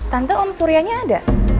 tante om suryanya ada